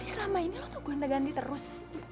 jadi selama ini lo tuh gue yang ganti terus